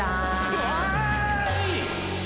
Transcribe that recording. うわあい！